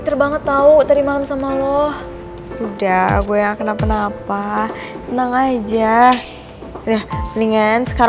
cuman udah gak papa lo tenang aja gak usah khawatir